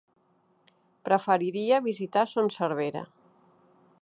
Preferiria visitar Son Servera.